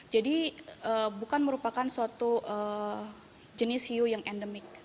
jadi bukan merupakan suatu jenis hiu yang endemik